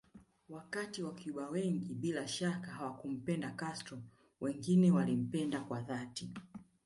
Wakati wacuba wengi bila shaka hawakumpenda Castro wengine walimpenda kwa dhati